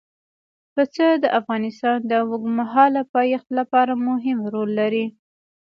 پسه د افغانستان د اوږدمهاله پایښت لپاره مهم رول لري.